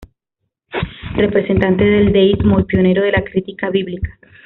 Representante del deísmo y pionero de la crítica bíblica.